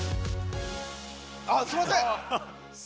あっすいません。